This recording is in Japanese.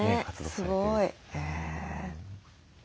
すごい。